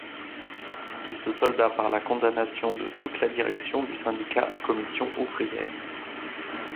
Il se solda par la condamnation de toute la direction du syndicat Commissions Ouvrières.